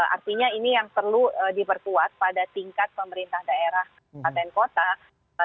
artinya ini yang perlu diperkuat pada tingkat pemerintah daerah dan kota